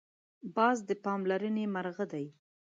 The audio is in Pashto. باز د پاملرنې مرغه دی